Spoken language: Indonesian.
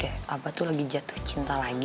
kayaknya bener deh abah tuh lagi jatuh cinta lagi